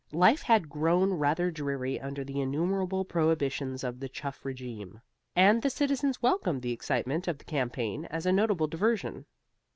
Life had grown rather dreary under the innumerable prohibitions of the Chuff regime, and the citizens welcomed the excitement of the campaign as a notable diversion.